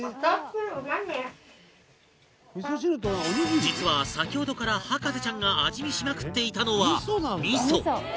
実は先ほどから博士ちゃんが味見しまくっていたのは味噌